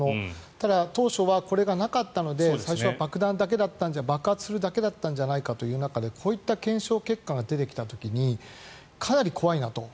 ただ、当初はこれがなかったので最初は爆弾だけだったんだ爆発するだけだったんじゃないかという中でこういった検証結果が出てきた時にかなり怖いなと。